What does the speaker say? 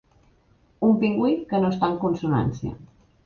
Un pingüí que no està en consonància.